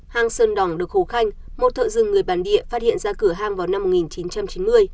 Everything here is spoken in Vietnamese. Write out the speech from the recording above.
hang sơn đỏng được hồ khanh một thợ rừng người bản địa phát hiện ra cửa ham vào năm một nghìn chín trăm chín mươi